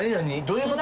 どういう事？